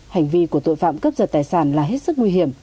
hành vi của tội phạm cướp giật tài sản là hết sức nguy hiểm